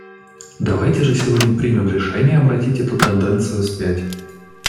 Давайте же сегодня примем решение обратить эту тенденцию вспять.